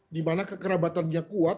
di mana kekerabatannya kuat